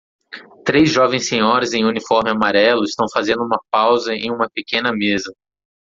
Três jovens senhoras em uniforme amarelo estão fazendo uma pausa em uma pequena mesa.